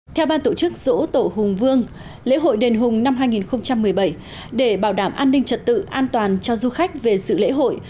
theo ban tổ chức dỗ tổ hùng vương lễ hội đền hùng năm hai nghìn một mươi bảy để bảo đảm an ninh trật tự an toàn cho du khách về sự lễ hội